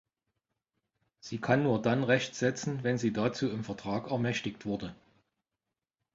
Sie kann nur dann Recht setzen, wenn sie dazu im Vertrag ermächtigt wurde.